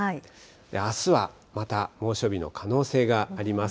あすはまた猛暑日の可能性があります。